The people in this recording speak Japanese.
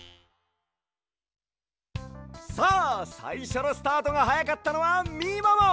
さあさいしょのスタートがはやかったのはみもも！